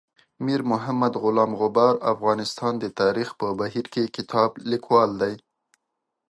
میر محمد غلام غبار افغانستان د تاریخ په بهیر کې کتاب لیکوال دی.